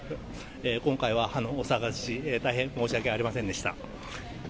今回はお騒がせし、大変申し訳ありませんでした。